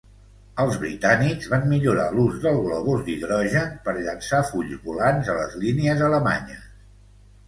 Els britànics van millorar l'ús del globus d'hidrogen per llançar fulls volants a les línies alemanyes.